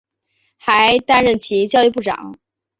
还担任其教育部长。